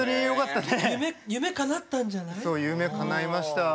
そう夢かないました。